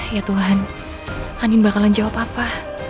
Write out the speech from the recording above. ya tuhan andin bakalan jawab apa